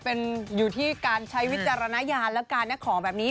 เป็นอยู่ที่การใช้วิจารณญาณแล้วกันนะของแบบนี้